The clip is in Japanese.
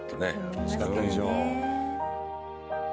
嬉しかったでしょう。